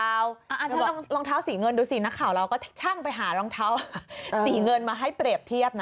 แล้วรองเท้าสีเงินดูสินักข่าวเราก็ช่างไปหารองเท้าสีเงินมาให้เปรียบเทียบนะ